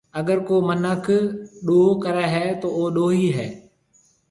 اگر ڪو مِنک ڏوه ڪريَ هيَ تو او ڏوهِي هيَ۔